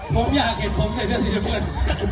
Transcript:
ผมอยากเห็นผมใส่เสื้อสีเหลือง